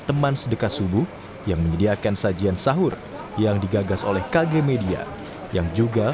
teman sedekah subuh yang menyediakan sajian sahur yang digagas oleh kg media yang juga